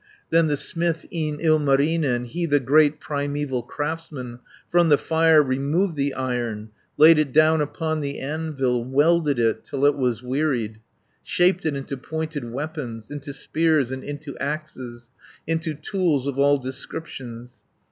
"Then the smith, e'en Ilmarinen, He, the great primeval craftsman, From the fire removed the Iron; Laid it down upon the anvil, Welded it till it was wearied, Shaped it into pointed weapons, Into spears, and into axes, Into tools of all descriptions.